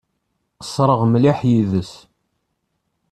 Qeṣṣreɣ mliḥ yid-s.